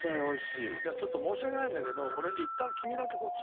いやちょっと申し訳ないんだけど俺えっ何？